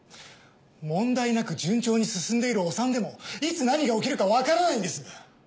問題なく順調に進んでいるお産でもいつ何が起きるかわからないんです。